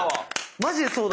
マジでそうだね。